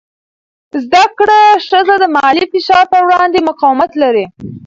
زده کړه ښځه د مالي فشار په وړاندې مقاومت لري.